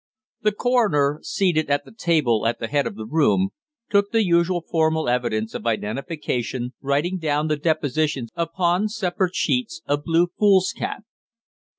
The coroner, seated at the table at the head of the room, took the usual formal evidence of identification, writing down the depositions upon separate sheets of blue foolscap.